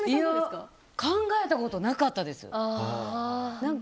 考えたことなかったです。